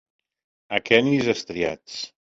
Aquenis estriats.